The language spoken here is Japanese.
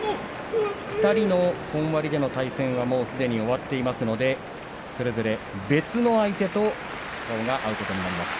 ２人の本割での対戦はすでに終わっていますのでそれぞれ別の相手と顔が合うことになります。